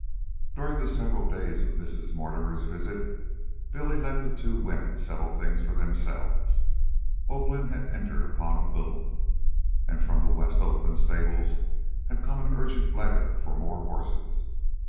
During the several days of Mrs. Mortimer's visit, Billy let the two women settle things for themselves. Oakland had entered upon a boom, and from the West Oakland stables had come an urgent letter for more horses.